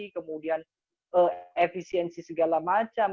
kemudian efisiensi segala macam